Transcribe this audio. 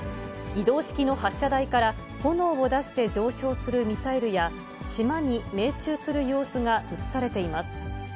移動式の発射台から、炎を出して上昇するミサイルや、島に命中する様子が写されています。